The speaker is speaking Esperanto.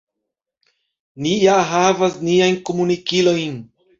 Ni ja havas niajn komunikilojn.